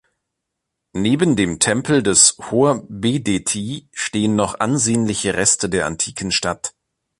Neben dem Tempel des Hor-Behdeti stehen noch ansehnliche Reste der antiken Stadt.